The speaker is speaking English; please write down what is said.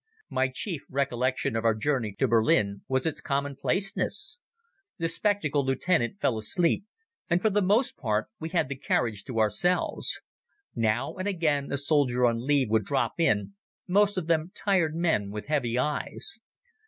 My chief recollection of our journey to Berlin was its commonplaceness. The spectacled lieutenant fell asleep, and for the most part we had the carriage to ourselves. Now and again a soldier on leave would drop in, most of them tired men with heavy eyes.